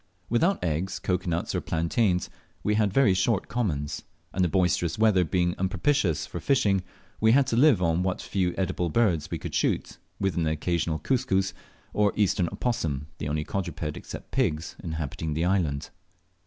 Without eggs, cocoa nuts, or plantains, we had very short commons, and the boisterous weather being unpropitious for fishing, we had to live on what few eatable birds we could shoot, with an occasional cuscus, or eastern opossum, the only quadruped, except pigs, inhabiting the island.